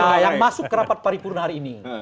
nah yang masuk ke rapat paripurna hari ini